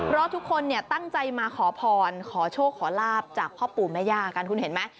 เพราะทุกคนเนี่ยตั้งใจมาขอพรขอโชคขอลาบจากพ่อปู่แม่ย่ากันคุณเห็นไหม